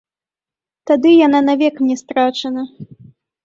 Тады яна навек мне страчана.